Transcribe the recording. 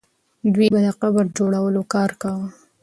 دوی به د قبر د جوړولو کار کاوه.